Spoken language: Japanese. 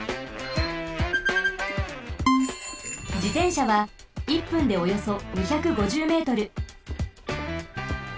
じてんしゃは１分でおよそ２５０ｍ。